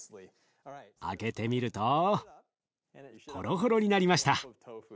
開けてみるとほろほろになりました。